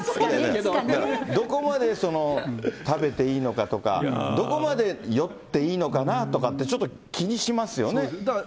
どこまで食べていいのかとか、どこまで寄っていいのかなとかって、ちょっと気にしますよね。